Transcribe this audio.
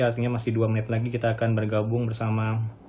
artinya masih dua menit lagi kita akan bergabung bersama